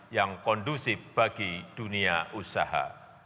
yang kondusif bagi dunia usaha